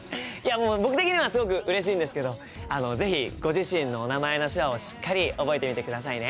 もう僕的にはすごくうれしいんですけどあの是非ご自身のお名前の手話をしっかり覚えてみてくださいね。